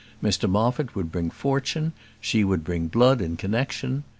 Mr Moffat would bring fortune; she would bring blood and connexion.